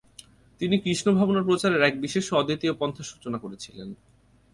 তিনি কৃষ্ণভাবনা প্রচারের এক বিশেষ ও অদ্বিতীয় পন্থার সূচনা করেছিলেন।